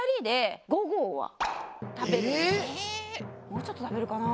もうちょっとたべるかな。